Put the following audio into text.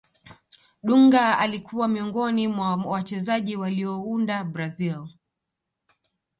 dunga alikuwa miongoni mwa wachezaji waliounda brazil